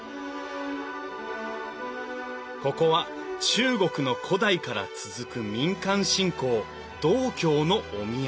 ここは中国の古代から続く民間信仰道教のお宮。